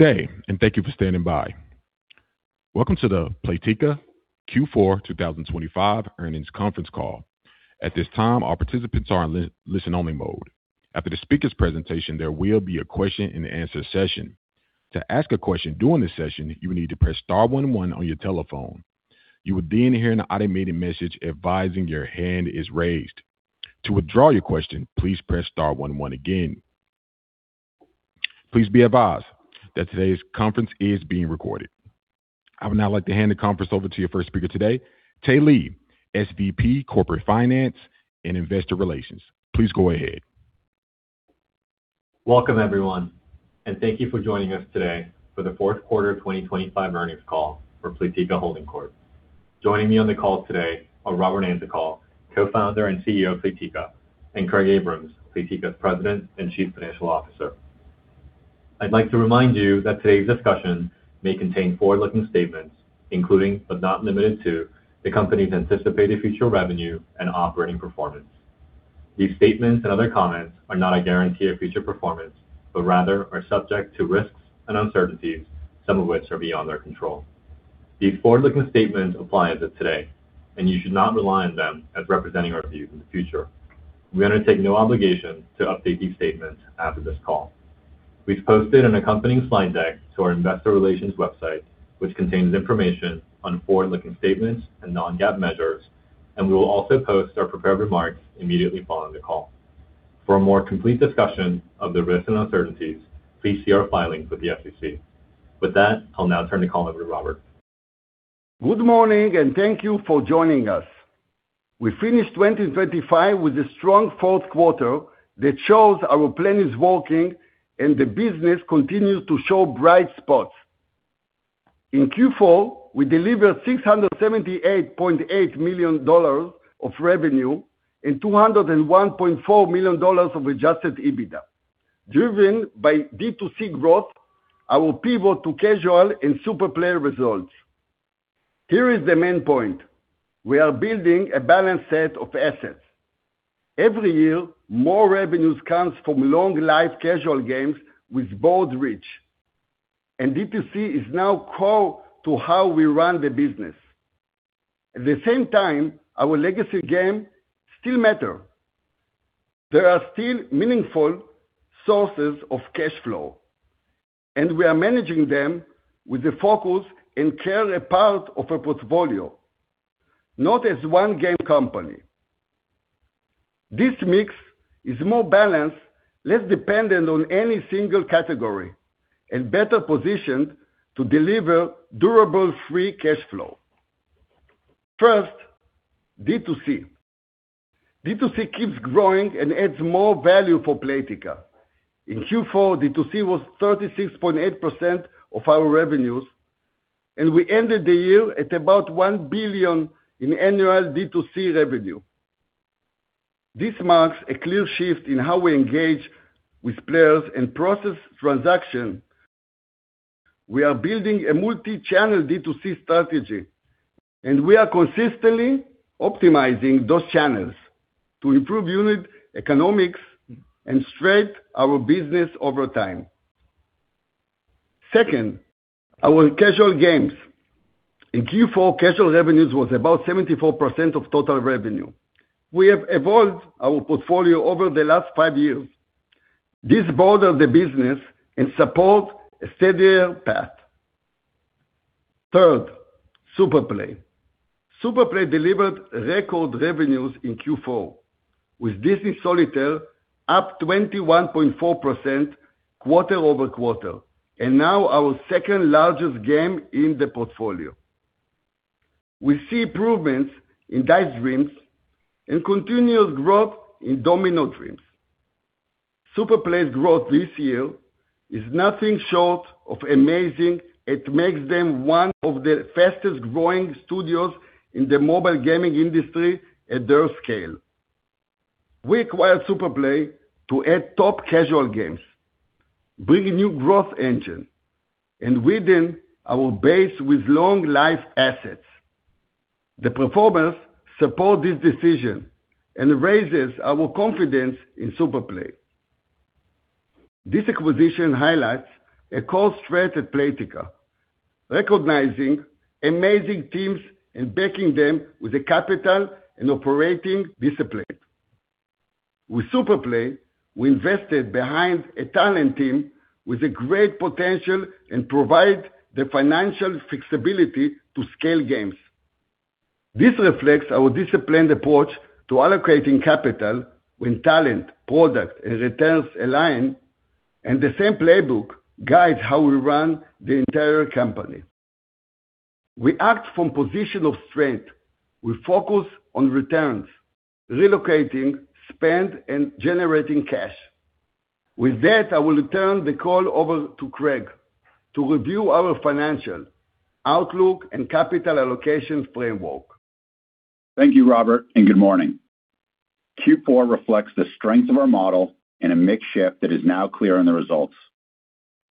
Good day, and thank you for standing by. Welcome to the Playtika Q4 2025 earnings conference call. At this time, all participants are in listen-only mode. After the speaker's presentation, there will be a question and answer session. To ask a question during this session, you will need to press star one one on your telephone. You will then hear an automated message advising your hand is raised. To withdraw your question, please press star one one again. Please be advised that today's conference is being recorded. I would now like to hand the conference over to your first speaker today, Tae Lee, SVP, Corporate Finance and Investor Relations. Please go ahead. Welcome, everyone, thank you for joining us today for the fourth quarter of 2025 earnings call for Playtika Holding Corp. Joining me on the call today are Robert Antokol, Co-founder and CEO of Playtika, and Craig Abrahams, Playtika's President and Chief Financial Officer. I'd like to remind you that today's discussion may contain forward-looking statements, including, but not limited to, the company's anticipated future revenue and operating performance. These statements and other comments are not a guarantee of future performance, but rather are subject to risks and uncertainties, some of which are beyond our control. These forward-looking statements apply as of today, and you should not rely on them as representing our views in the future. We undertake no obligation to update these statements after this call. We've posted an accompanying slide deck to our investor relations website, which contains information on forward-looking statements and non-GAAP measures. We will also post our prepared remarks immediately following the call. For a more complete discussion of the risks and uncertainties, please see our filings with the SEC. With that, I'll now turn the call over to Robert. Good morning, and thank you for joining us. We finished 2025 with a strong fourth quarter that shows our plan is working and the business continues to show bright spots. In Q4, we delivered $678.8 million of revenue and $201.4 million of Adjusted EBITDA, driven by D2C growth, our pivot to casual and SuperPlay results. Here is the main point: We are building a balanced set of assets. Every year, more revenue comes from long life casual games with broad reach, and D2C is now core to how we run the business. At the same time, our legacy game still matter. There are still meaningful sources of cash flow, and we are managing them with the focus and care a part of a portfolio, not as one game company. This mix is more balanced, less dependent on any single category, and better positioned to deliver durable, free cash flow. First, D2C. D2C keeps growing and adds more value for Playtika. In Q4, D2C was 36.8% of our revenue, and we ended the year at about $1 billion in annual D2C revenue. This marks a clear shift in how we engage with players and process transactions. We are building a multi-channel D2C strategy, and we are consistently optimizing those channels to improve unit economics and strength our business over time. Second, our casual games. In Q4, casual revenue was about 74% of total revenue. We have evolved our portfolio over the last 5 years. This broadens the business and support a steadier path. Third, SuperPlay. SuperPlay delivered record revenue in Q4, with Disney Solitaire up 21.4% quarter-over-quarter, and now our second largest game in the portfolio. We see improvements in Dice Dreams and continuous growth in Domino Dreams. SuperPlay's growth this year is nothing short of amazing. It makes them one of the fastest growing studios in the mobile gaming industry at their scale. We acquired SuperPlay to add top casual games, bring a new growth engine, and widen our base with long-life assets. The performance support this decision and raises our confidence in SuperPlay. This acquisition highlights a core strength at Playtika, recognizing amazing teams and backing them with the capital and operating discipline. With SuperPlay, we invested behind a talent team with a great potential and provide the financial flexibility to scale games. This reflects our disciplined approach to allocating capital when talent, product, and returns align, and the same playbook guides how we run the entire company. We act from position of strength. We focus on returns, relocating spend, and generating cash. With that, I will turn the call over to Craig to review our financial, outlook, and capital allocation framework. Thank you, Robert, and good morning. Q4 reflects the strength of our model and a mixed shift that is now clear in the results.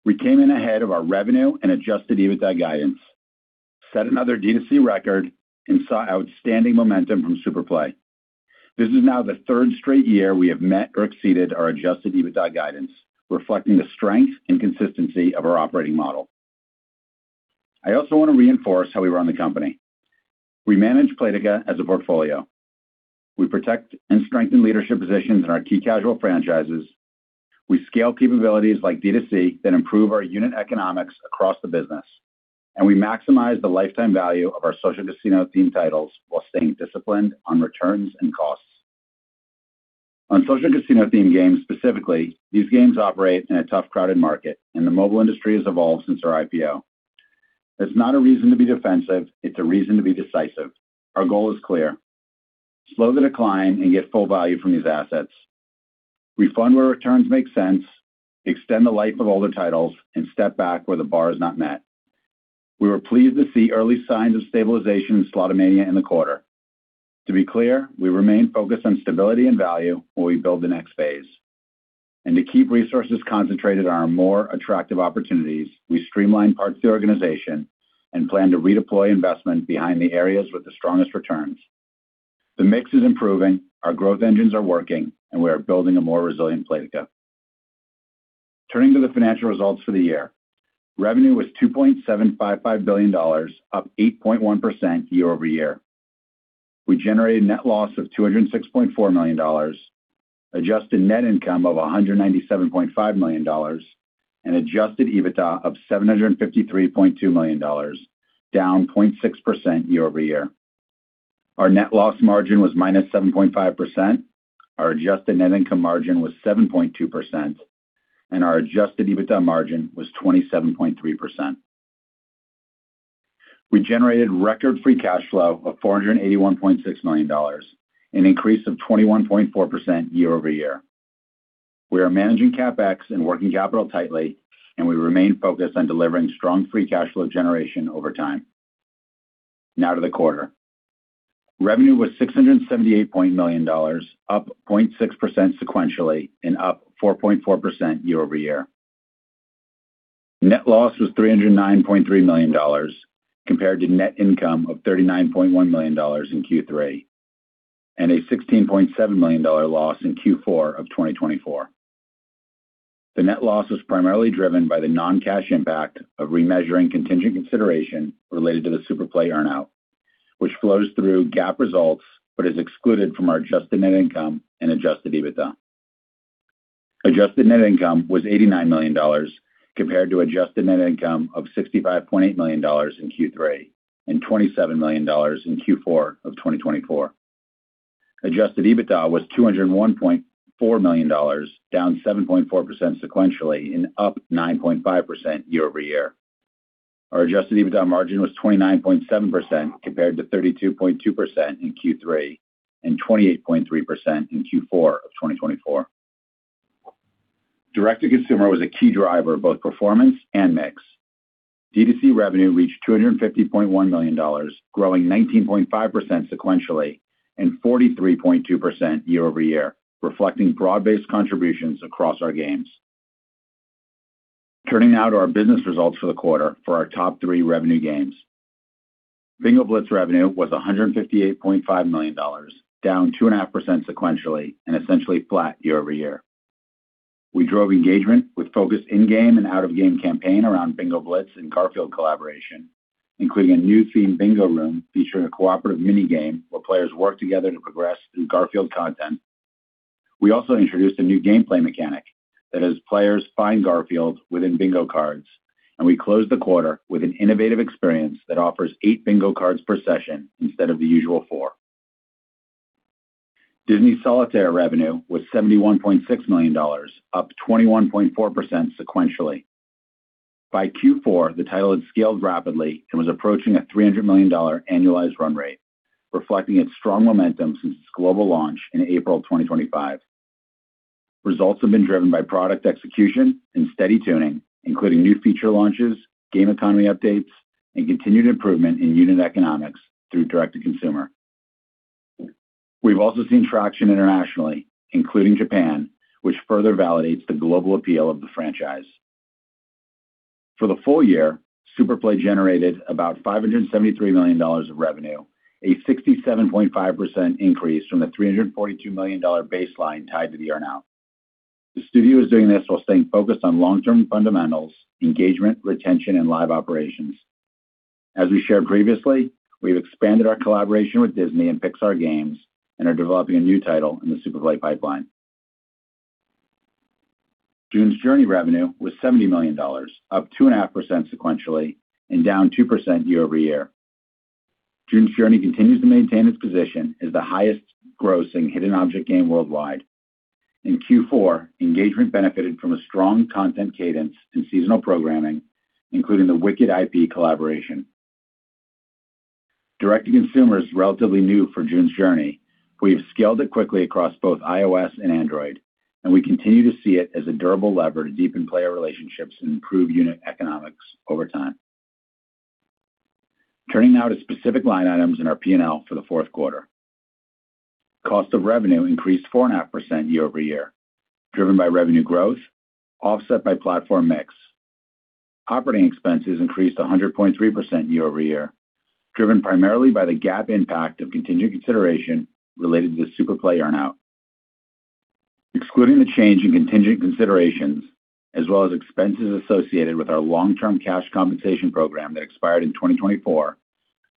We came in ahead of our revenue and Adjusted EBITDA guidance.... set another D2C record and saw outstanding momentum from SuperPlay. This is now the third straight year we have met or exceeded our Adjusted EBITDA guidance, reflecting the strength and consistency of our operating model. I also want to reinforce how we run the company. We manage Playtika as a portfolio. We protect and strengthen leadership positions in our key casual franchises. We scale capabilities like D2C that improve our unit economics across the business, and we maximize the lifetime value of our social casino-themed titles while staying disciplined on returns and costs. On social casino-themed games specifically, these games operate in a tough, crowded market, and the mobile industry has evolved since our IPO. That's not a reason to be defensive, it's a reason to be decisive. Our goal is clear: slow the decline and get full value from these assets. We fund where returns make sense, extend the life of older titles, and step back where the bar is not met. We were pleased to see early signs of stabilization in Slotomania in the quarter. To be clear, we remain focused on stability and value while we build the next phase. To keep resources concentrated on our more attractive opportunities, we streamlined parts of the organization and plan to redeploy investment behind the areas with the strongest returns. The mix is improving, our growth engines are working, and we are building a more resilient Playtika. Turning to the financial results for the year. Revenue was $2.755 billion, up 8.1% year-over-year. We generated net loss of $206.4 million, adjusted net income of $197.5 million, and Adjusted EBITDA of $753.2 million, down 0.6% year-over-year. Our net loss margin was -7.5%, our adjusted net income margin was 7.2%, and our Adjusted EBITDA margin was 27.3%. We generated record free cash flow of $481.6 million, an increase of 21.4% year-over-year. We are managing CapEx and working capital tightly. We remain focused on delivering strong free cash flow generation over time. Now to the quarter. Revenue was $678.9 million, up 0.6% sequentially and up 4.4% year-over-year. Net loss was $309.3 million, compared to net income of $39.1 million in Q3, and a $16.7 million loss in Q4 of 2024. The net loss was primarily driven by the non-cash impact of remeasuring contingent consideration related to the SuperPlay earn-out, which flows through GAAP results but is excluded from our adjusted net income and Adjusted EBITDA. Adjusted net income was $89 million, compared to adjusted net income of $65.8 million in Q3 and $27 million in Q4 of 2024. Adjusted EBITDA was $201.4 million, down 7.4% sequentially and up 9.5% year-over-year. Our Adjusted EBITDA margin was 29.7%, compared to 32.2% in Q3 and 28.3% in Q4 of 2024. Direct-to-consumer was a key driver of both performance and mix. D2C revenue reached $250.1 million, growing 19.5% sequentially and 43.2% year-over-year, reflecting broad-based contributions across our games. Turning now to our business results for the quarter for our top three revenue games. Bingo Blitz revenue was $158.5 million, down 2.5% sequentially and essentially flat year-over-year. We drove engagement with focused in-game and out-of-game campaign around Bingo Blitz and Garfield collaboration, including a new themed bingo room featuring a cooperative mini-game, where players work together to progress through Garfield content. We also introduced a new gameplay mechanic that has players find Garfield within bingo cards, and we closed the quarter with an innovative experience that offers 8 bingo cards per session instead of the usual 4. Disney Solitaire revenue was $71.6 million, up 21.4% sequentially. By Q4, the title had scaled rapidly and was approaching a $300 million annualized run rate, reflecting its strong momentum since its global launch in April 2025. Results have been driven by product execution and steady tuning, including new feature launches, game economy updates, and continued improvement in unit economics through direct-to-consumer. We've also seen traction internationally, including Japan, which further validates the global appeal of the franchise. For the full year, SuperPlay generated about $573 million of revenue, a 67.5% increase from the $342 million baseline tied to the earn-out. The studio is doing this while staying focused on long-term fundamentals, engagement, retention, and live operations. As we shared previously, we've expanded our collaboration with Disney and Pixar Games and are developing a new title in the SuperPlay pipeline. June's Journey revenue was $70 million, up 2.5% sequentially and down 2% year-over-year. June's Journey continues to maintain its position as the highest grossing hidden object game worldwide. In Q4, engagement benefited from a strong content cadence and seasonal programming, including the Wicked IP collaboration. Direct-to-consumer is relatively new for June's Journey. We have scaled it quickly across both iOS and Android. We continue to see it as a durable lever to deepen player relationships and improve unit economics over time. Turning now to specific line items in our P&L for the fourth quarter. Cost of revenue increased 4.5% year-over-year, driven by revenue growth, offset by platform mix. Operating expenses increased 100.3% year-over-year, driven primarily by the GAAP impact of contingent consideration related to the SuperPlay earn-out. Excluding the change in contingent considerations, as well as expenses associated with our long-term cash compensation program that expired in 2024,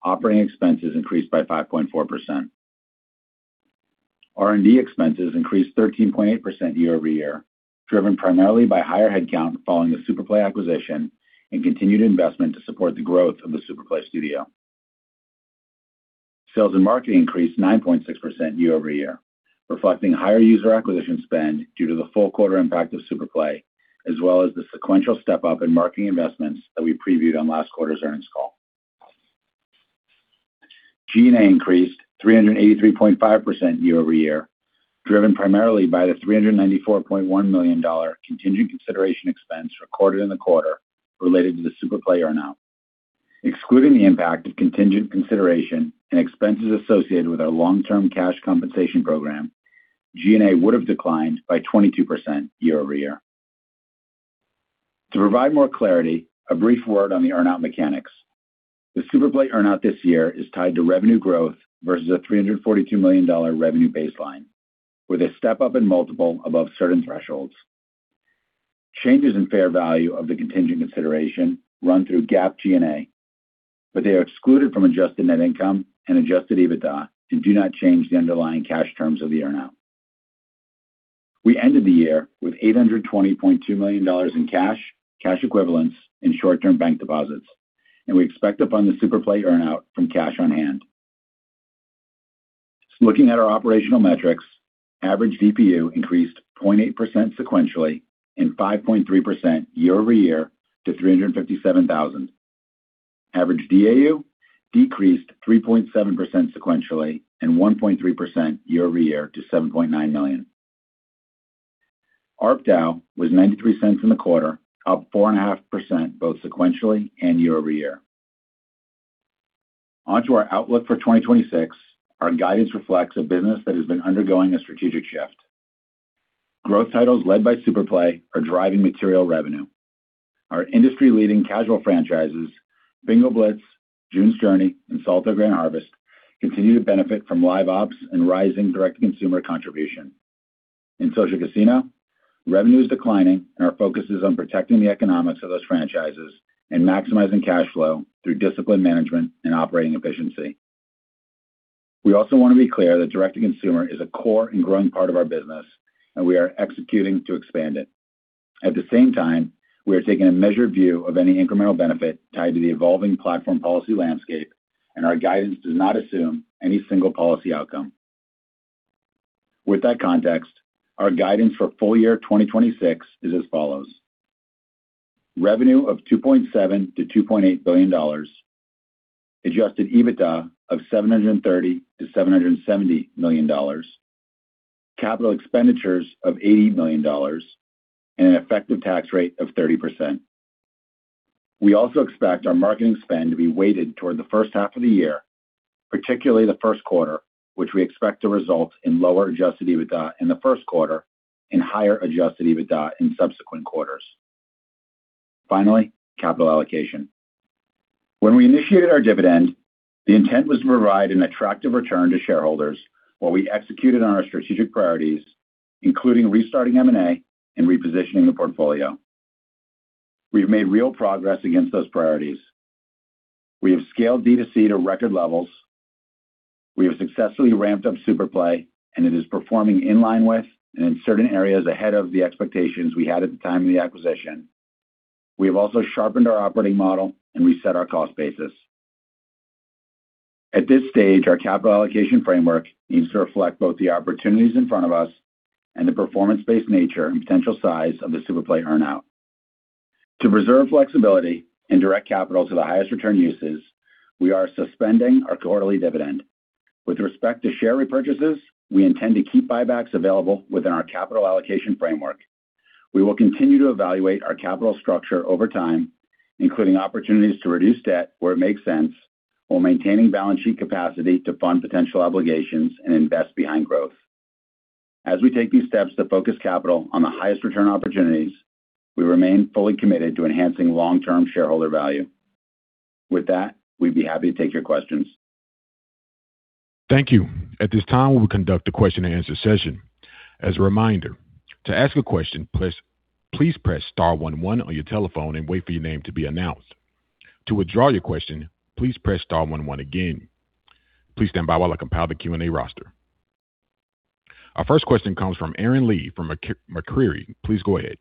operating expenses increased by 5.4%. R&D expenses increased 13.8% year-over-year, driven primarily by higher headcount following the SuperPlay acquisition and continued investment to support the growth of the SuperPlay studio. Sales and marketing increased 9.6% year-over-year, reflecting higher user acquisition spend due to the full quarter impact of SuperPlay, as well as the sequential step up in marketing investments that we previewed on last quarter's earnings call. G&A increased 383.5% year-over-year, driven primarily by the $394.1 million contingent consideration expense recorded in the quarter related to the SuperPlay earn-out. Excluding the impact of contingent consideration and expenses associated with our long-term cash compensation program, G&A would have declined by 22% year-over-year. To provide more clarity, a brief word on the earn-out mechanics. The SuperPlay earn-out this year is tied to revenue growth versus a $342 million revenue baseline, with a step up in multiple above certain thresholds. Changes in fair value of the contingent consideration run through GAAP G&A, but they are excluded from adjusted net income and Adjusted EBITDA and do not change the underlying cash terms of the earn-out. We ended the year with $820.2 million in cash equivalents, and short-term bank deposits, and we expect to fund the SuperPlay earn-out from cash on hand. Looking at our operational metrics, average DPU increased 0.8% sequentially and 5.3% year-over-year to 357,000. Average DAU decreased 3.7% sequentially and 1.3% year-over-year to 7.9 million. ARPDAU was $0.93 in the quarter, up 4.5% both sequentially and year-over-year. On to our outlook for 2026. Our guidance reflects a business that has been undergoing a strategic shift. Growth titles led by SuperPlay are driving material revenue. Our industry-leading casual franchises, Bingo Blitz, June's Journey, and Solitaire Grand Harvest, continue to benefit from live ops and rising direct-to-consumer contribution. In social casino, revenue is declining, and our focus is on protecting the economics of those franchises and maximizing cash flow through disciplined management and operating efficiency. We also want to be clear that direct-to-consumer is a core and growing part of our business, and we are executing to expand it. At the same time, we are taking a measured view of any incremental benefit tied to the evolving platform policy landscape, and our guidance does not assume any single policy outcome. With that context, our guidance for full year 2026 is as follows: Revenue of $2.7 billion-$2.8 billion, Adjusted EBITDA of $730 million-$770 million, capital expenditures of $80 million, and an effective tax rate of 30%. We also expect our marketing spend to be weighted toward the first half of the year, particularly the first quarter, which we expect to result in lower Adjusted EBITDA in the first quarter and higher Adjusted EBITDA in subsequent quarters. Finally, capital allocation. When we initiated our dividend, the intent was to provide an attractive return to shareholders while we executed on our strategic priorities, including restarting M&A and repositioning the portfolio. We've made real progress against those priorities. We have scaled D2C to record levels. We have successfully ramped up SuperPlay, and it is performing in line with and in certain areas ahead of the expectations we had at the time of the acquisition. We have also sharpened our operating model and reset our cost basis. At this stage, our capital allocation framework needs to reflect both the opportunities in front of us and the performance-based nature and potential size of the SuperPlay earn-out. To preserve flexibility and direct capital to the highest return uses, we are suspending our quarterly dividend. With respect to share repurchases, we intend to keep buybacks available within our capital allocation framework. We will continue to evaluate our capital structure over time, including opportunities to reduce debt where it makes sense, while maintaining balance sheet capacity to fund potential obligations and invest behind growth. As we take these steps to focus capital on the highest return opportunities, we remain fully committed to enhancing long-term shareholder value. With that, we'd be happy to take your questions. Thank you. At this time, we will conduct a question-and-answer session. As a reminder, to ask a question, please press star 11 on your telephone and wait for your name to be announced. To withdraw your question, please press star 11 again. Please stand by while I compile the Q&A roster. Our first question comes from Aaron Lee from Macquarie. Please go ahead.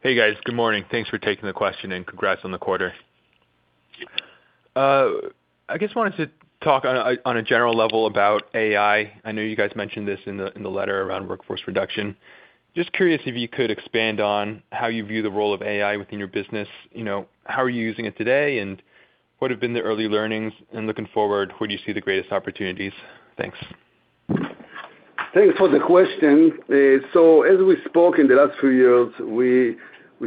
Hey, guys. Good morning. Thanks for taking the question. Congrats on the quarter. I just wanted to talk on a general level about AI. I know you guys mentioned this in the letter around workforce reduction. Just curious if you could expand on how you view the role of AI within your business. You know, how are you using it today, and what have been the early learnings? Looking forward, where do you see the greatest opportunities? Thanks. Thanks for the question. As we spoke in the last few years, we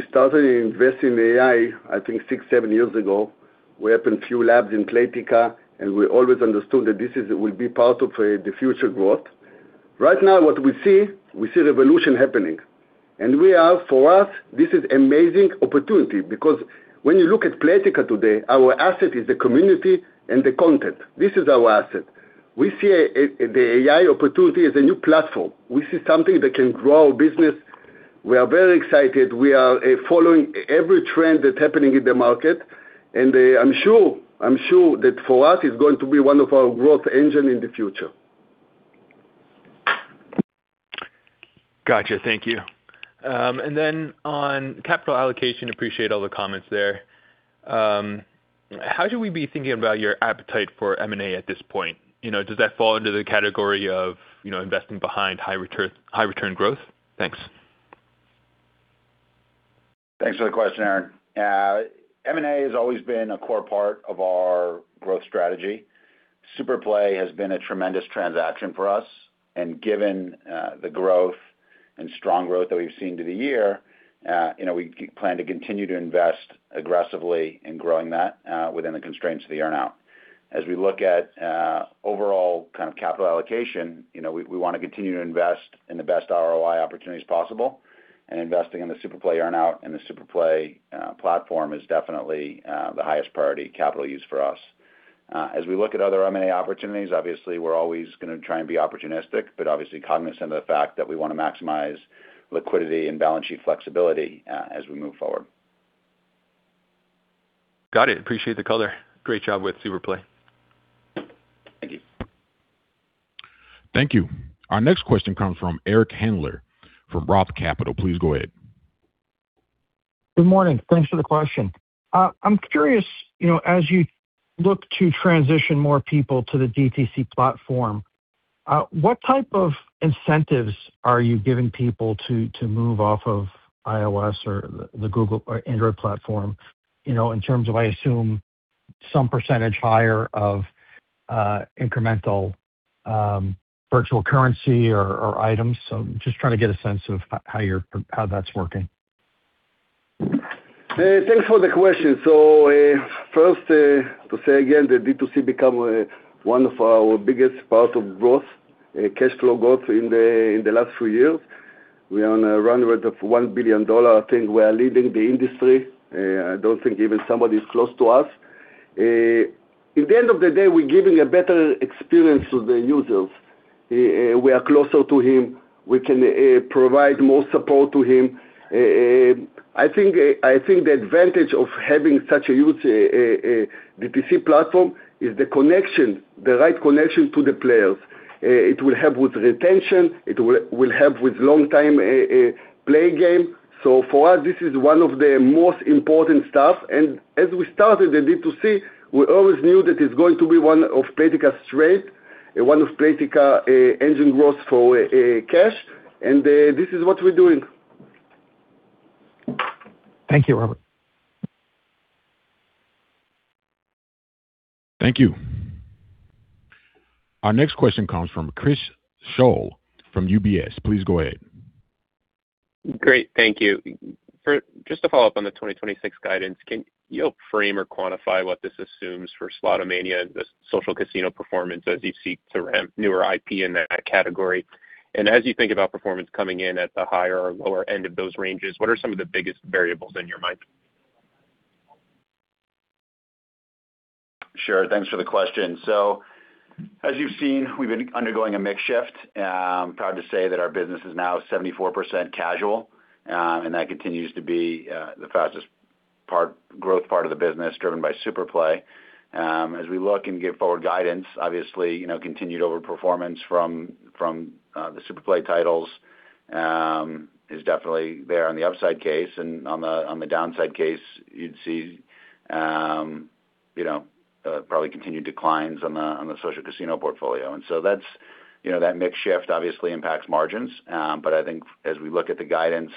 started investing in AI, I think 6, 7 years ago. We opened a few labs in Playtika, we always understood that this is, will be part of the future growth. Right now, what we see, we see revolution happening, for us, this is amazing opportunity, because when you look at Playtika today, our asset is the community and the content. This is our asset. We see the AI opportunity as a new platform. We see something that can grow our business. We are very excited. We are following every trend that's happening in the market, I'm sure that for us, it's going to be one of our growth engine in the future. Gotcha. Thank you. On capital allocation, appreciate all the comments there. How should we be thinking about your appetite for M&A at this point? You know, does that fall under the category of, you know, investing behind high return growth? Thanks. Thanks for the question, Aaron. M&A has always been a core part of our growth strategy. SuperPlay has been a tremendous transaction for us, and given the growth and strong growth that we've seen to the year, you know, we plan to continue to invest aggressively in growing that within the constraints of the earn out. As we look at overall kind of capital allocation, you know, we wanna continue to invest in the best ROI opportunities possible, and investing in the SuperPlay earn out and the SuperPlay platform is definitely the highest priority capital use for us. As we look at other M&A opportunities, obviously we're always gonna try and be opportunistic, but obviously cognizant of the fact that we wanna maximize liquidity and balance sheet flexibility as we move forward. Got it. Appreciate the color. Great job with SuperPlay. Thank you. Thank you. Our next question comes from Eric Handler from Roth Capital. Please go ahead. Good morning. Thanks for the question. I'm curious, you know, as you look to transition more people to the D2C platform, what type of incentives are you giving people to move off of iOS or the Google or Android platform? You know, in terms of, I assume, some percentage higher of incremental virtual currency or items. Just trying to get a sense of how you're, how that's working. Thanks for the question. First, to say again, that D2C become one of our biggest part of growth, cash flow growth in the last few years. We are on a run rate of $1 billion. I think we are leading the industry, I don't think even somebody is close to us. In the end of the day, we're giving a better experience to the users. We are closer to him, we can provide more support to him. I think, I think the advantage of having such a huge D2C platform is the connection, the right connection to the players. It will help with retention, it will help with long time play game. For us, this is one of the most important stuff. As we started the D2C, we always knew that it's going to be one of Playtika's strength and one of Playtika engine growth for cash. This is what we're doing. Thank you, Robert. Thank you. Our next question comes from Chris Schoell from UBS. Please go ahead. Great, thank you. Just to follow up on the 2026 guidance, can you frame or quantify what this assumes for Slotomania and the social casino performance as you seek to ramp newer IP in that category? As you think about performance coming in at the higher or lower end of those ranges, what are some of the biggest variables in your mind? Schoell. Thanks for the question. As you've seen, we've been undergoing a mix shift. Proud to say that our business is now 74% casual, and that continues to be the fastest part, growth part of the business, driven by SuperPlay. As we look and give forward guidance, obviously, you know, continued overperformance from the SuperPlay titles is definitely there on the upside case. On the downside case, you'd see, you know, probably continued declines on the social casino portfolio. That's, you know, that mix shift obviously impacts margins, but I think as we look at the guidance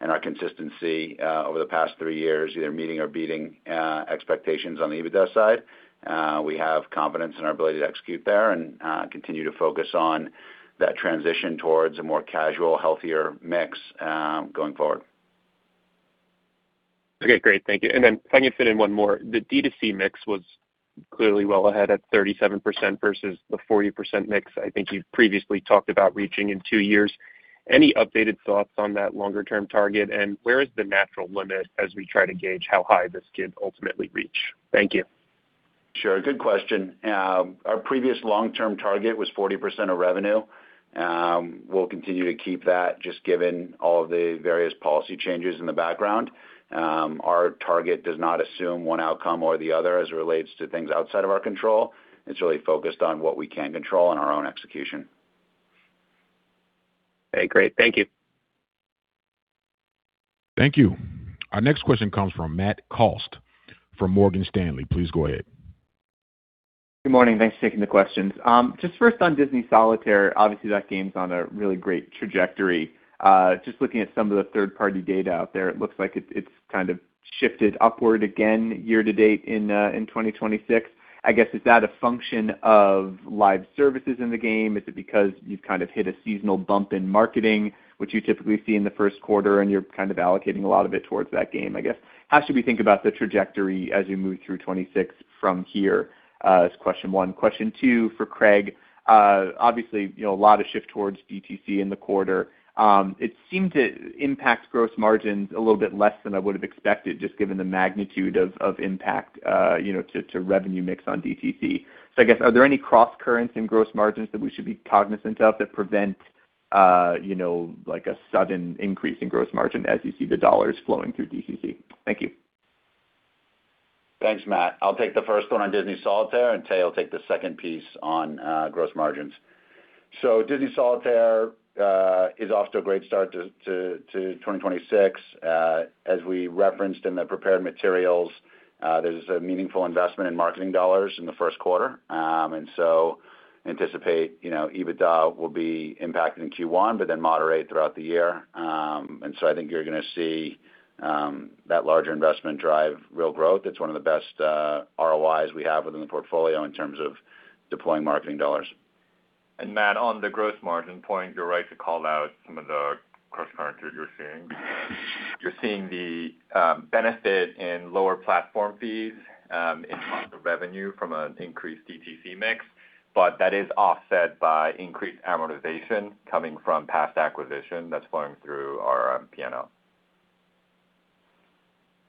and our consistency over the past three years, either meeting or beating expectations on the Adjusted EBITDA side, we have confidence in our ability to execute there and continue to focus on that transition towards a more casual, healthier mix going forward. Okay, great. Thank you. If I can fit in one more. The D2C mix was clearly well ahead at 37% versus the 40% mix I think you've previously talked about reaching in 2 years. Any updated thoughts on that longer-term target, where is the natural limit as we try to gauge how high this could ultimately reach? Thank you. Sure. Good question. Our previous long-term target was 40% of revenue. We'll continue to keep that, just given all the various policy changes in the background. Our target does not assume one outcome or the other as it relates to things outside of our control. It's really focused on what we can control and our own execution. Okay, great. Thank you. Thank you. Our next question comes from Matthew Cost from Morgan Stanley. Please go ahead. Good morning. Thanks for taking the questions. just first on Disney Solitaire, obviously, that game's on a really great trajectory. just looking at some of the third-party data out there, it looks like it's kind of...... shifted upward again year to date in 2026. I guess, is that a function of live services in the game? Is it because you've kind of hit a seasonal bump in marketing, which you typically see in the first quarter, and you're kind of allocating a lot of it towards that game, I guess? How should we think about the trajectory as you move through 2026 from here, is question one. Question two for Craig. Obviously, you know, a lot of shift towards D2C in the quarter. It seemed to impact gross margins a little bit less than I would have expected, just given the magnitude of impact, you know, to revenue mix on D2C. I guess, are there any crosscurrents in gross margins that we should be cognizant of that prevent, you know, like a sudden increase in gross margin as you see the dollars flowing through DTC? Thank you. Thanks, Matt. I'll take the first one on Disney Solitaire, Tae will take the second piece on gross margins. Disney Solitaire is off to a great start to 2026. As we referenced in the prepared materials, there's a meaningful investment in marketing dollars in the first quarter. Anticipate, you know, EBITDA will be impacted in Q1, moderate throughout the year. I think you're going to see that larger investment drive real growth. It's one of the best ROIs we have within the portfolio in terms of deploying marketing dollars. Matt, on the gross margin point, you're right to call out some of the crosscurrents that you're seeing. You're seeing the benefit in lower platform fees, in terms of revenue from an increased D2C mix, but that is offset by increased amortization coming from past acquisition that's flowing through our P&L.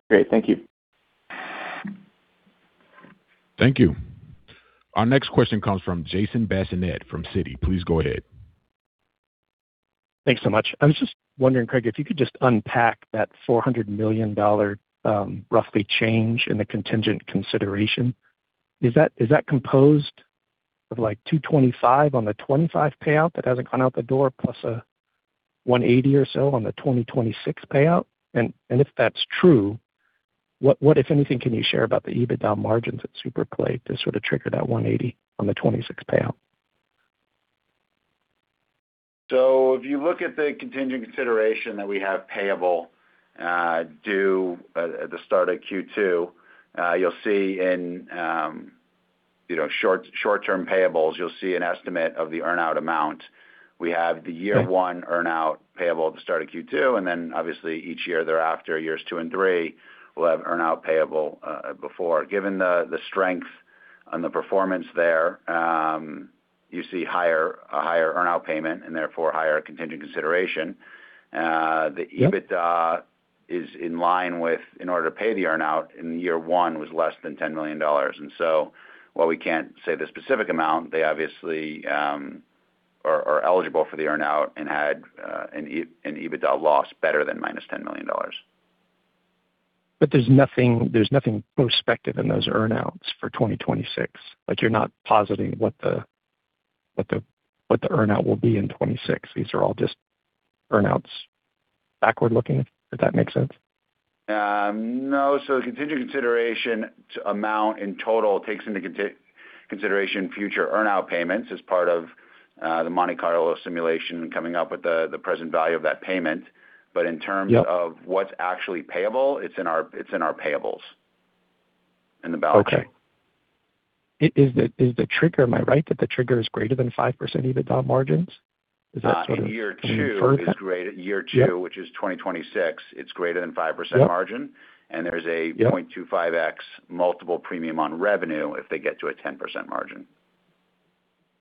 Great. Thank you. Thank you. Our next question comes from Jason Bazinet from Citi. Please go ahead. Thanks so much. I was just wondering, Craig, if you could just unpack that $400 million, roughly change in the contingent consideration. Is that composed of, like, $225 on the 2025 payout that hasn't gone out the door, plus a $180 or so on the 2026 payout? If that's true, what, if anything, can you share about the EBITDA margins at SuperPlay to sort of trigger that $180 on the 2026 payout? If you look at the contingent consideration that we have payable, due at the start of Q2, you'll see in, you know, short-term payables, you'll see an estimate of the earn-out amount. We have the year one earn-out payable at the start of Q2, obviously each year thereafter, years two and three, we'll have earn-out payable before. Given the strength on the performance there, you see a higher earn-out payment and therefore higher contingent consideration. The EBITDA is in line with, in order to pay the earn-out in year one was less than $10 million. While we can't say the specific amount, they obviously are eligible for the earn-out and had an EBITDA loss better than -$10 million. There's nothing prospective in those earn-outs for 2026. Like, you're not positing what the earn-out will be in 2026. These are all just earn-outs, backward looking, if that makes sense? No. The contingent consideration to amount in total takes into consideration future earn-out payments as part of the Monte Carlo simulation coming up with the present value of that payment. Yep. In terms of what's actually payable, it's in our, it's in our payables in the balance sheet. Okay. Is the trigger, am I right, that the trigger is greater than 5% EBITDA margins? Is that sort of? In year. confirmed? Is greater... Year two- Yep. Which is 2026, it's greater than 5% margin. Yep. there's Yep 0.25x multiple premium on revenue if they get to a 10% margin.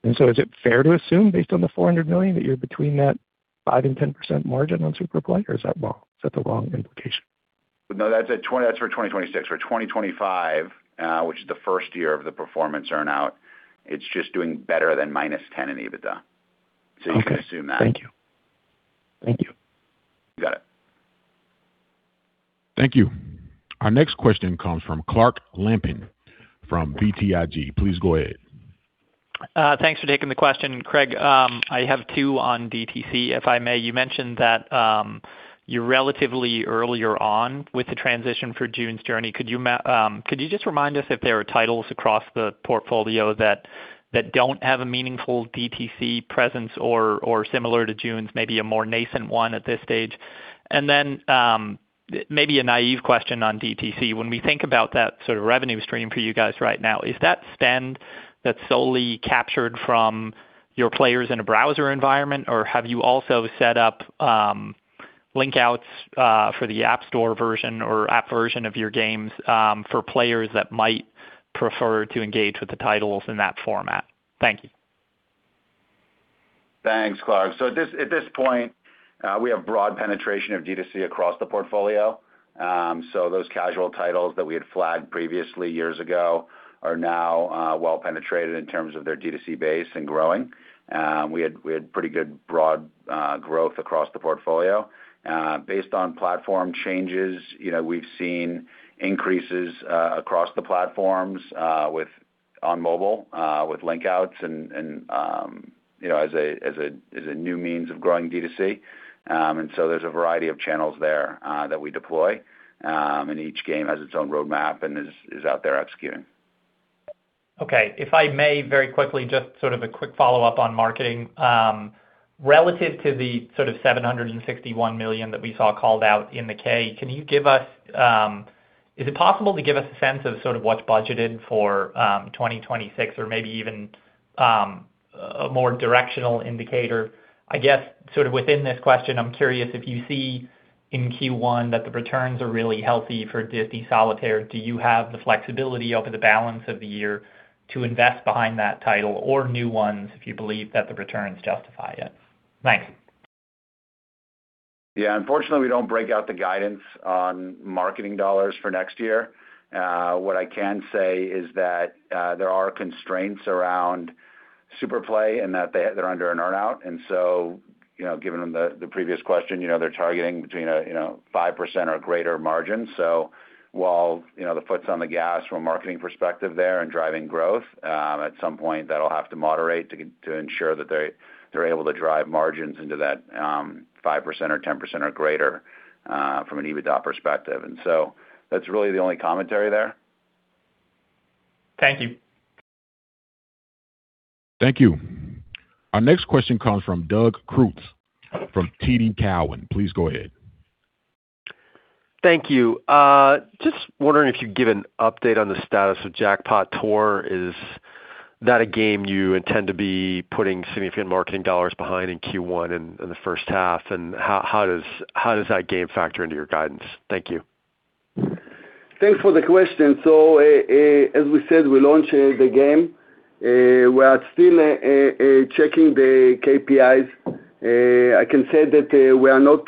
Is it fair to assume, based on the $400 million, that you're between that 5% and 10% margin on SuperPlay, or is that wrong? Is that the wrong implication? No, that's for 2026. For 2025, which is the first year of the performance earn-out, it's just doing better than -10 in Adjusted EBITDA. Okay. You can assume that. Thank you. Thank you. You got it. Thank you. Our next question comes from Clark Lampen, from BTIG. Please go ahead. Thanks for taking the question. Craig, I have two on DTC, if I may. You mentioned that you're relatively earlier on with the transition for June's Journey. Could you just remind us if there are titles across the portfolio that don't have a meaningful DTC presence or similar to June's, maybe a more nascent one at this stage? Maybe a naive question on DTC. When we think about that sort of revenue stream for you guys right now, is that spend that's solely captured from your players in a browser environment, or have you also set up link outs for the App Store version or app version of your games for players that might prefer to engage with the titles in that format? Thank you. Thanks, Clark. At this point, we have broad penetration of DTC across the portfolio. Those casual titles that we had flagged previously years ago are now well penetrated in terms of their DTC base and growing. We had pretty good broad growth across the portfolio. Based on platform changes, you know, we've seen increases across the platforms, on mobile, with link-outs and, you know, as a new means of growing DTC. There's a variety of channels there, that we deploy, and each game has its own roadmap and is out there executing. Okay, if I may, very quickly, just sort of a quick follow-up on marketing. Relative to the sort of $761 million that we saw called out in the K, can you give us, is it possible to give us a sense of sort of what's budgeted for 2026 or maybe even a more directional indicator? I guess, sort of within this question, I'm curious if you see in Q1 that the returns are really healthy for Disney Solitaire, do you have the flexibility over the balance of the year to invest behind that title or new ones, if you believe that the returns justify it? Thanks. Yeah, unfortunately, we don't break out the guidance on marketing dollars for next year. What I can say is that there are constraints around SuperPlay and that they're under an earn-out, and so, you know, given the previous question, you know, they're targeting between a, you know, 5% or greater margin. While, you know, the foot's on the gas from a marketing perspective there and driving growth, at some point, that'll have to moderate to ensure that they're able to drive margins into that 5% or 10% or greater from an EBITDA perspective. That's really the only commentary there. Thank you. Thank you. Our next question comes from Doug Creutz from TD Cowen. Please go ahead. Thank you. Just wondering if you'd give an update on the status of Jackpot Tour. Is that a game you intend to be putting significant marketing dollars behind in Q1 and the first half? How does that game factor into your guidance? Thank you. Thanks for the question. As we said, we launched the game. We are still checking the KPIs. I can say that we are not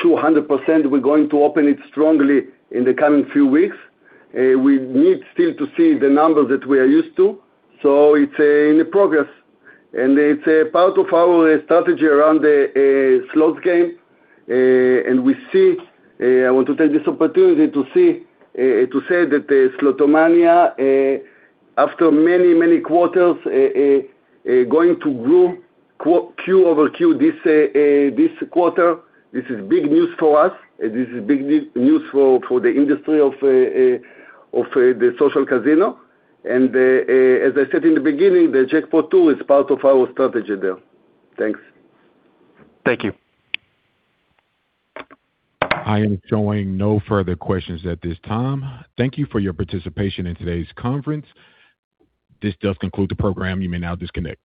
sure 100% we're going to open it strongly in the coming few weeks. We need still to see the numbers that we are used to, so it's in progress, and it's part of our strategy around the slots game. We see, I want to take this opportunity to say that Slotomania, after many, many quarters, going to grow Q/Q this quarter. This is big news for us, and this is big news for the industry of the social casino. As I said in the beginning, the Jackpot Tour is part of our strategy there. Thanks. Thank you. I am showing no further questions at this time. Thank you for your participation in today's conference. This does conclude the program. You may now disconnect.